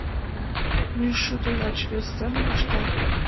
Мӱйшудо лач вес семын ышта.